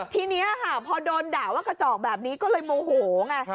ทีนี้ค่ะพอโดนด่าว่ากระจอกแบบนี้ก็เลยโมโหไง